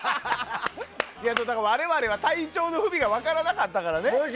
だから、我々は体調の不備が分からなかったからね。